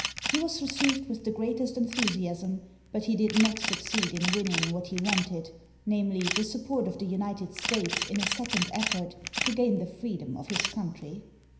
He was received with the greatest enthusiasm, but he did not succeed in winning what he wanted, namely, the support of the United States in a second effort to gain the freedom of his country.